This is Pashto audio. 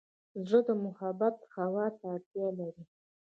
زړه د محبت هوا ته اړتیا لري.